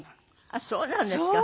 あっそうなんですか。